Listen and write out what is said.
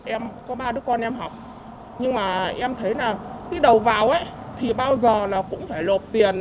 em có ba đứa con em học nhưng mà em thấy là cứ đầu vào thì bao giờ là cũng phải lộp tiền